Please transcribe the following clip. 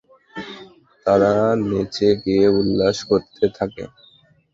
তারা নেচে গেয়ে উল্লাস করতে থাকে।